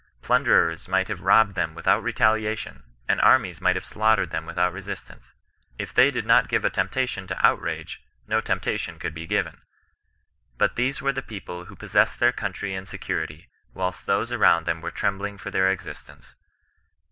Plunderers might have robbed them without retaliation, and armies might have slaughtered them without resistance. If they did not give a temptation to outrage, no tempta tion could be given. Bvi these were the people who pos sessed their cov/rvtry in secv/rity, whilst those arowiid them were trembling for their existence.